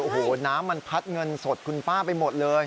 โอ้โหน้ำมันพัดเงินสดคุณป้าไปหมดเลย